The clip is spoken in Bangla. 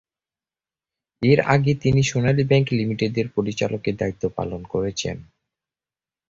এর আগে তিনি সোনালী ব্যাংক লিমিটেডের পরিচালকের দায়িত্ব পালন করেছেন।